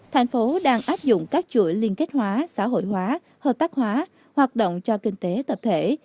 thành phố đang áp dụng các chuỗi liên kết hóa xã hội hóa hợp tác hóa hoạt động cho kinh tế tập thể